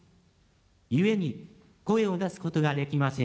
ゆえに声を出すことができません。